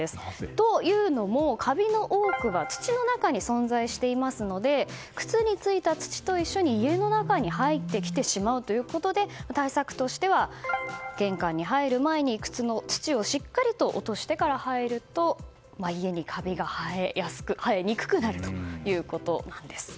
というのも、カビの多くは土の中に存在していますので靴についた土と一緒に家の中に入ってきてしまうということで対策としては玄関に入る前に靴の土をしっかりと落としてから入ると、家にカビが生えにくくなるということです。